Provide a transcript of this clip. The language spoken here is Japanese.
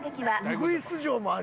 ウグイス嬢もあり？